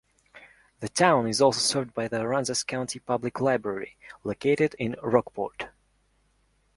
The town is also served by the Aransas County Public Library, located in Rockport.